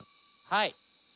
はい。